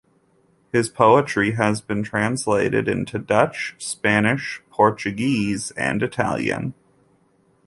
His poetry has been translated into Dutch, Spanish, Portuguese, and Italian.